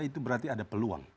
itu berarti ada peluang